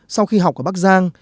sau khi học ở bắc giang